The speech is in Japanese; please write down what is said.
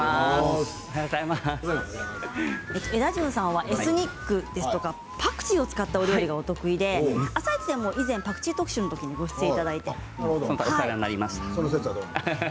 エダジュンさんはエスニックやパクチーを使ったお料理がお得意で「あさイチ」でもパクチー特集のときにご出演いただきました。